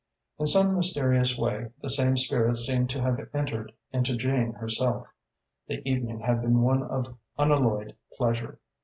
In some mysterious way, the same spirit seemed to have entered into Jane herself. The evening had been one of unalloyed pleasure.